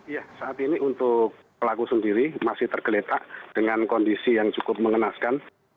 ya saat ini untuk pelaku sendiri masih tergeletak dengan kondisi yang cukup mengenaskan